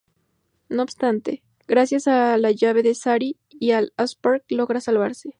No obstante, gracias a la llave de Sari y al Allspark, logra salvarse.